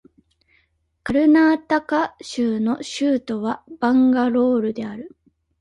カルナータカ州の州都はバンガロールである